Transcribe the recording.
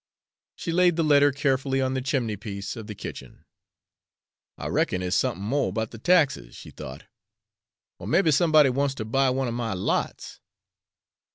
She laid the letter carefully on the chimney piece of the kitchen. "I reckon it's somethin' mo' 'bout the taxes," she thought, "or maybe somebody wants to buy one er my lots.